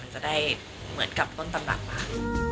มันจะได้เหมือนกับต้นตำรับมา